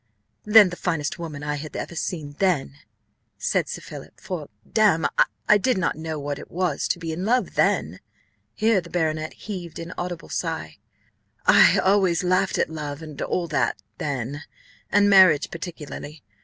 "Than the finest woman I had ever seen then," said Sir Philip; "for, damme, I did not know what it was to be in love then" (here the baronet heaved an audible sigh): "I always laughed at love, and all that, then, and marriage particularly.